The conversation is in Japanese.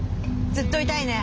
ずっといたいね。